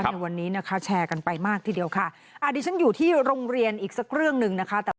ในวันนี้นะคะแชร์กันไปมากทีเดียวค่ะอ่าดิฉันอยู่ที่โรงเรียนอีกสักเรื่องหนึ่งนะคะ